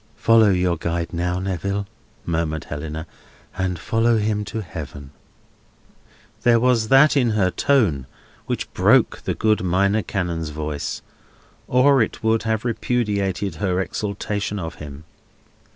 "Follow your guide now, Neville," murmured Helena, "and follow him to Heaven!" There was that in her tone which broke the good Minor Canon's voice, or it would have repudiated her exaltation of him.